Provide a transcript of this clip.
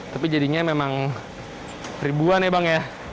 tapi jadinya memang ribuan ya bang ya